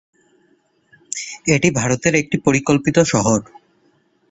এটি ভারতের একটি পরিকল্পিত শহর।